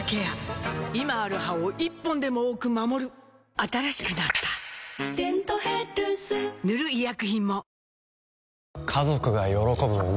今ある歯を１本でも多く守る新しくなった「デントヘルス」塗る医薬品も